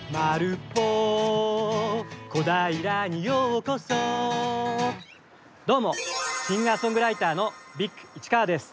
小平にようこそどうもシンガーソングライターのＢｉｇ市川です！